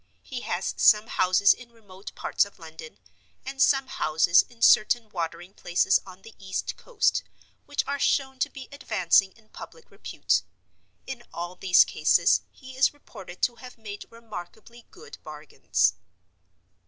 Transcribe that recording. He has some houses in remote parts of London, and some houses in certain watering places on the east coast, which are shown to be advancing in public repute. In all these cases he is reported to have made remarkably good bargains.